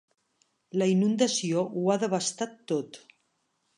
La inundació ho ha devastat tot.